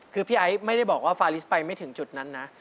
คือพี่ไอ้ไม่ได้บอกว่าฟาลิสไปไม่ถึงจุดนั้นนะ